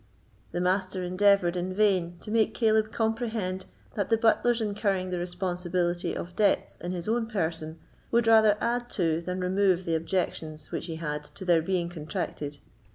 The Master endeavoured, in vain, to make Caleb comprehend that the butler's incurring the responsibility of debts in his own person would rather add to than remove the objections which he had to their being contracted.